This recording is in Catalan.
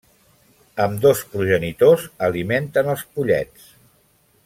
Ambdós progenitors alimenten els pollets.